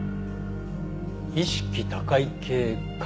「意識高い系」